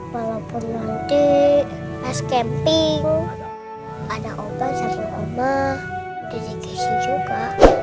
walaupun nanti pas camping ada opa sama oma dedikasi juga